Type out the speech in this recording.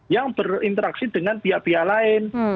yang berinteraksi dengan pihak pihak lain